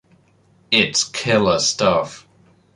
It's killer stuff.